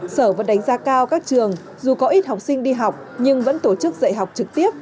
sở vẫn đánh giá cao các trường dù có ít học sinh đi học nhưng vẫn tổ chức dạy học trực tiếp